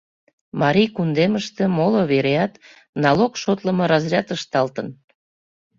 Марий кундемыште, моло вереат налог шотлымо разряд ышталтын.